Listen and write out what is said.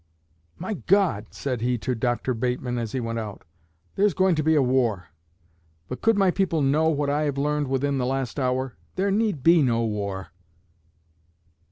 "My God!" said he to Dr. Bateman, as he went out. "There's going to be war; but could my people know what I have learned within the last hour, there need be no war."